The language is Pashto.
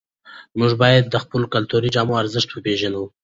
موږ باید د خپلو کلتوري جامو ارزښت وپېژنو.